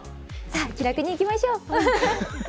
気楽にいきましょう！